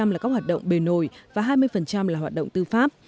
năm là các hoạt động bề nổi và hai mươi là hoạt động tư pháp